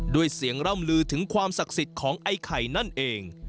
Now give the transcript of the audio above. ด้วยเสียงร่ำลือถึงความศักดิ์สิทธิ์ของไอ้ไข่นั่นเอง